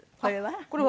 これは？